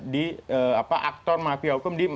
di aktor mafia hukum